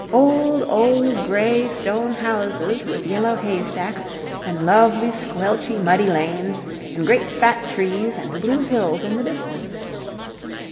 Old, old grey stone houses with yellow haystacks and lovely squelchy muddy lanes and great fat trees and blue hills in the distance.